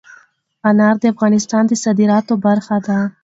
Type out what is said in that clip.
انار د افغانستان د صادراتو برخه ده.